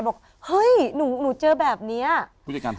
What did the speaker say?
บอกเฮ้ยหนูหนูเจอแบบเนี้ยผู้จัดการ